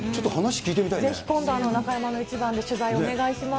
ぜひ、今度、中山のイチバンで取材をお願いします。